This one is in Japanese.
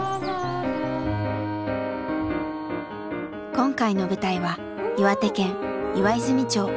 今回の舞台は岩手県岩泉町。